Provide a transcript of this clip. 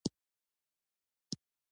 پروړ په ژمی کی ګران شی.